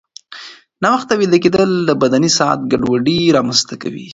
ناوخته ویده کېدل د بدني ساعت ګډوډي رامنځته کوي.